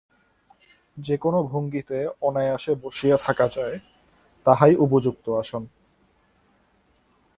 যে-কোন ভঙ্গিতে অনায়াসে বসিয়া থাকা যায়, তাহাই উপযুক্ত আসন।